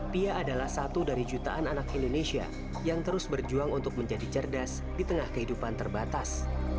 pia adalah satu dari jutaan anak indonesia yang terus berjuang untuk menjadi cerdas di tengah kehidupan terbatas